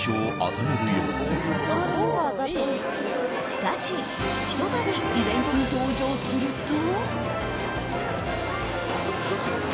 しかし、ひと度イベントに登場すると。